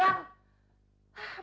nah nah nah